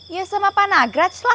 ya sama panagraj lah